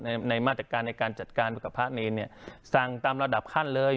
ในในมาตรการในการจัดการกับพระเนรเนี่ยสั่งตามระดับขั้นเลย